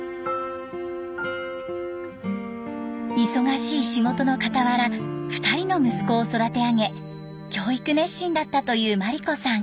忙しい仕事のかたわら２人の息子を育て上げ教育熱心だったという眞理子さん。